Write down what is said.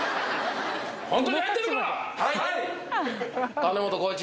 はい！